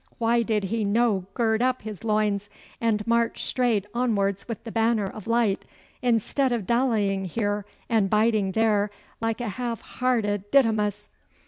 Why did he no gird up his loins and march straight onwards wi' the banner o' light, instead o' dallying here and biding there like a half hairted Didymus?